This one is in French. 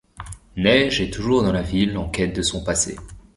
Neige est toujours dans la ville en quête de son passé.